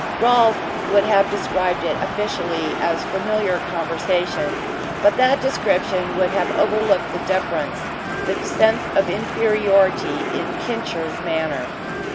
Rolfe would have described it officially as familiar conversation, but that description would have overlooked the deference, the sense of inferiority, in "Kincher's" manner.